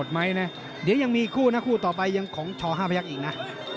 เดี๋ยวยังมีคู่ต่อไปของชห้าพยักษ์อีกนะ